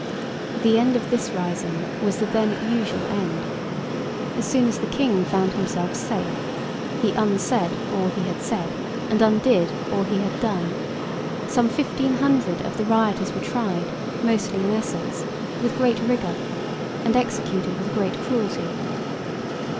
The end of this rising was the then usual end. As soon as the King found himself safe, he unsaid all he had said, and undid all he had done; some fifteen hundred of the rioters were tried (mostly in Essex) with great rigour, and executed with great cruelty.